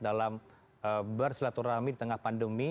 dalam bersilaturahmi di tengah pandemi